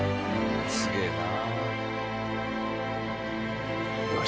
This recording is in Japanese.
すげぇな。